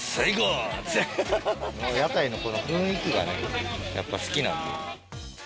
屋台のこの雰囲気がね、やっぱ好きなんで。